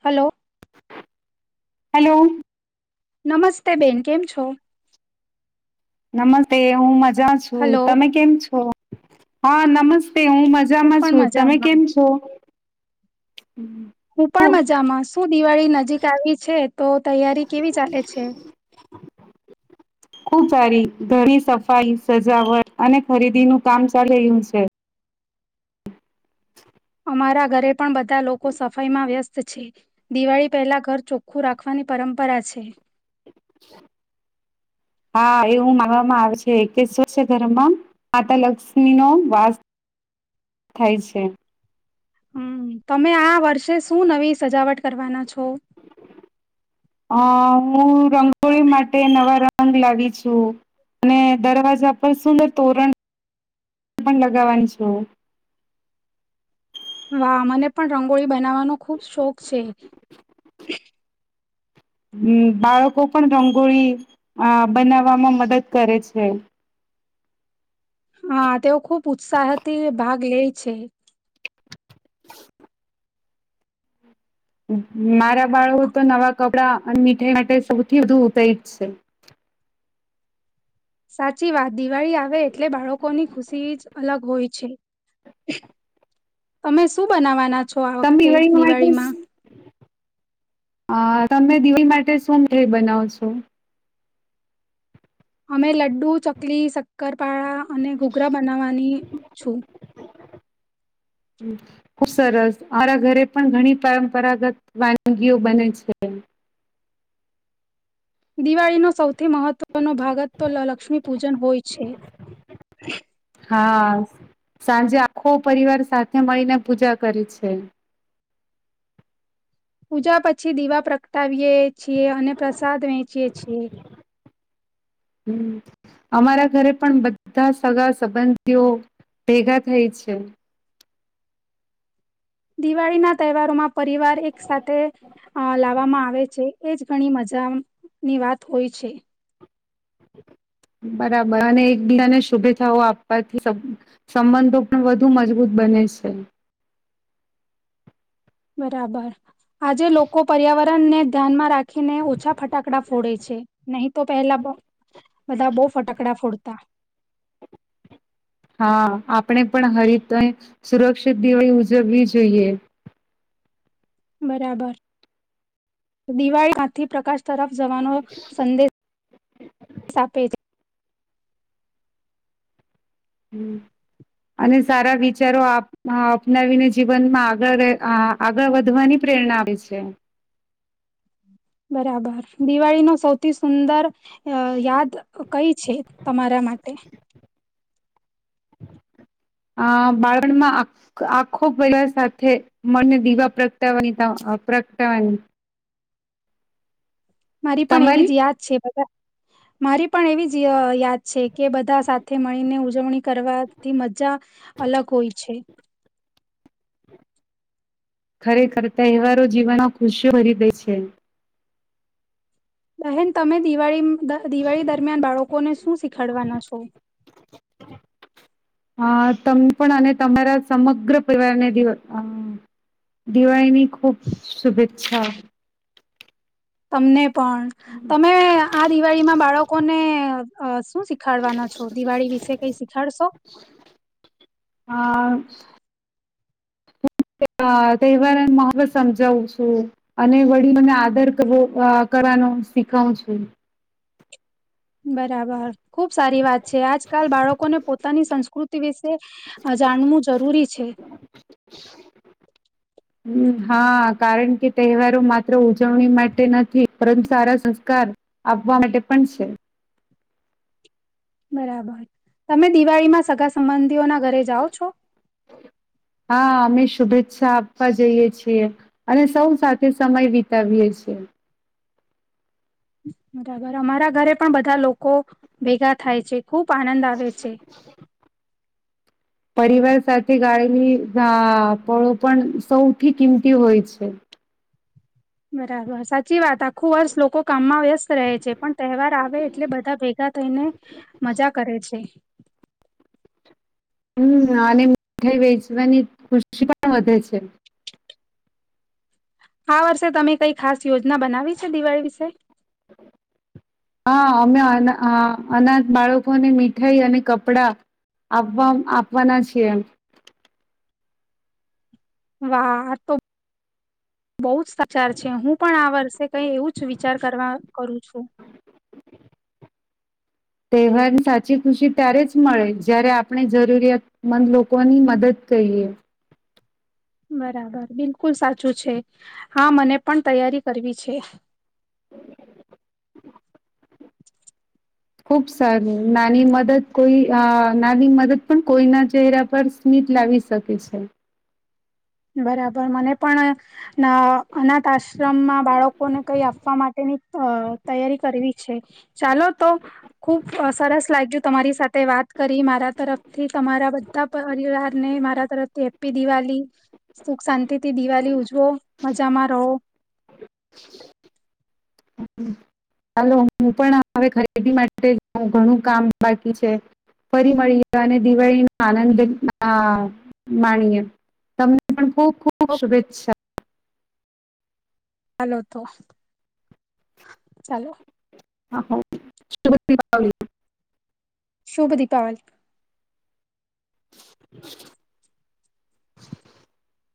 Hello. Hello. નમસ્તે બેન કેમ છો? નમસ્તે હમ જા છું. હલો તમે કેમ છો? હા. નમસ હું મજામાં પણ છું. તમે મજામાં કેમ છો? હું પણ મજામાં. શું દિવાળી નજીક આવી છે તો તૈયારી કેવી ચાલે છે? ખુબ સારી ઘરની સફાઈ, સજાવટ અને ખરીદીનું કામ ચાલી્યું છે. તમારા ઘરે પણ બધા લોકો સફાઈમાં વ્યસ્ત છે. દિવાળી પહેલા ઘર ચોખ્ખું રાખવાની પરંપરા છે. હા. એવું માનવામાં આવે છે કે છ, ઘરમાં માતા લક્ષ્મી નો વાસ થાય છે. હમ. તમે આ વર્ષે શું નવી સજાવટ કરવાના છો! અ હું રંગોળી માટે નવા રંગ લાવી છું અને દરવાજા પર સુંદર તોરણ પણ લગાવવાની છું. વા મને પણ રંગોળી બનાવાનો ખુબ શોખ છે. હમ બાળકો પણ રંગોળી આ બનાવવામાં મદદ કરે છે. હા. તેઓ ખુબ ઉત્સાહથી ભાગ લે છે. મારા બાળ તો નવા કપડા અને મીઠાઈ માટે સૌથી વધુ ઉપેજ છે સાચી વાત દિવાળી આવે એટલે બાળકોની ખુશી જ અલગ હોય છે? તમે શું બનાવવાના? છ આ વખતે દિવાળીમાં હ. તમે દીવી માટે સોમ બનાવ છો? અમે લડુ, ચકલી, શક્કર ળા અને ઘુઘરા બનાવવાની છું. ખુબ સરસ. મારા ઘરે પણ ઘણી પરંપરાગત વાનગીઓ બને છે. દિવાળીનો સૌથી મહત્વનો ભાગ જ તો લ લક્ષ્મી પૂજન હોય છે. હા સાંજે આખો પરિવાર સાથે મળીને પૂજા કરે છે. પૂજા પછી દીવા પ્રગટાવી એ છીએ અને પ્રસાદ વેહચીએ છીએ. હમ અમારા ઘરે પણ બધા સગા સંબંધીઓ ભેગા થઈ છે. દિવાળીના તહેવારોમાં પરિવાર એક સાથે અ લાવામાં આવે છે. એજ ઘણી મજાની વાત હોય છે. બરાબર અને એકબીજાને શુભેચ્છાઓ આપવાથી સબ સંબંધો પણ વધુ મજબૂત બને છે. બરાબર. આજે લોકો પર્યાવર ણ ને ધ્યાનમાં રાખીને ઓછા ફટાકડા ફોડે છે, નહીં તો પહેલા બ બધા બઉ ફટાકડા ફોડતા. હા આપણે પણ હરિતય સુરક્ષિત દિવાળી ઉજવવી જોઈએ. બરાબર, દિવાળી કાથી પ્રકાશ તરફ જવાનો, સંદે સ આપે છે. અને સારા વિચારો આપ અપનાવીને જીવનમાં આગળ આગળ વધવાની પ્રેરણા આવે છે. બરાબર, દિવાળી નું સૌથી સુંદર અ યાદ કઈ છે તમારા માટે? આ બાળપણ માં આખો બધા સાથે મને દીવા પ્રગટાવાની પ્રગટાવાની મારી પણ એવી જ તમારી યાદ છે બધા મારી પણ એવી જ અ યાદ છે કે બધા સાથે મળીને ઉજવણી કરવાથી મજા અલગ હોય છે. ખરેખર તહેવારો જીવનમાં ખુશીઓ ભરી દે છે. બહેન તમે દિવાળી દિવાળી દરમિયાન બાળકોને શું શીખાડવાના છો? અ તમ પણ અને તમારા સમગ્ર પરિવારને દ અ દિવાળીની ખુબ શુભેચ્છ ચ્છા. તમને પણ, તમે આ દિવાળીમાં બાળકોને શું શીખાડવાના છો દિવાળી વિશે કઈ શીખાડશો? [inaudible] તહેવાર મહત્વ સમજાવું છું, અને વડીલોને આદર કરવો કરવાનો શીખાવું છું. બરાબર ખુબ સારી વાત છે આજકાલ બાળકોને પોતાની સંસ્કૃતિ વિશે, જાણવું જરૂરી છે. હમ્મ હા કારણ કે તહેવારો માત્ર ઉજવણી માટે નથી પરંતુ સારા સંસ્કાર આપવા માટે પણ છે. બરાબર, તમે દિવાળીમાં સગા સંબંધીઓના ઘરે જાઓ છો? હા અમે શુભેચ્છા આપવા જઈએ છીએ, અને સૌ સાથે સમય વિતાવીએ છીએ. બરાબર અમારા ઘરે પણ બધા લોકો ભેગા થાય છે. ખૂબ આનંદ આવે છે. પરિવાર સાથે ગાળની પળો પણ સૌથી કિંમતી હોય છે. બરાબર સાચી વાત આખું વર્ષ લોકો કામમાં વેહસ સ્સ્ત રહે છે પણ તહેવાર આવે એટલે, બધા ભેગા થઈને, મજા કરે છે. હમ અને મીઠાઈ વેચવાની ખુશી પણ વધે છે. આ વર્ષે તમે કઈ ખાસ યોજના બનાવી છે દિવાળી વિશે? હા અમે અનાથ બાળકોને મીઠાઈ અને કપડા, આપવા આપવાના છીએ. વા તો બહુ જ સાચાર છે, હું પણ આ વર્ષે કઈ એવું જ વિચાર કરવા કરું છું. તહેવાર સાચી ખુશી ત્યારે જ મળે જ્યારે આપણે જરૂરિયાતમંદ લોકોની મદદ કહીએ. બરાબર બિલકુલ સાચું છે, હા મને પણ તૈયારી કરવી છે. [inaudible] ખુબ સારું નાની મદદ કોઈ નાની મદદ પણ કોઈના ચહેરા પર સ્મિત લાવી શકે છે. બરાબર મને પણ અનાથ આશ્રમમાં બાળકોને કઈ આપવા માટેની તૈયારી કરવી છે, ચાલો તો ખુબ સરસ લાગ્યું તમારી સાથે વાત, કરી મારા તરફથી તમારા બધા પરિવારને મારા તરફથી હેપી દિવાલી. સુખ શાંતિ થી દિવાળી ઉજવો મજામાં રહો. ચાલો હું પણ હવે ખરીદી માટે ઘણું કામ બાકી છે, ફરી મળીએ અને દિવાળી નો આનંદ માણીએ તમને પણ ખબ ખૂબ શુભેચ્છા. ચાલો તો ચાલો. હા શ [unintelligible] શુભદીીપાલ. [inaudible]